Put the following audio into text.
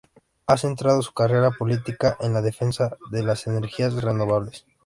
Ha centrado su carrera política en la defensa de las energías renovables.